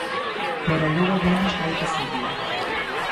Pero logo danos moito fútbol.